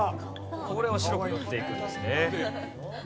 これを白く塗っていくんですね。